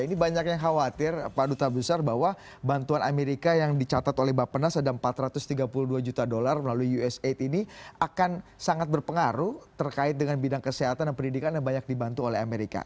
ini banyak yang khawatir pak duta besar bahwa bantuan amerika yang dicatat oleh bapak penas ada empat ratus tiga puluh dua juta dolar melalui usaid ini akan sangat berpengaruh terkait dengan bidang kesehatan dan pendidikan yang banyak dibantu oleh amerika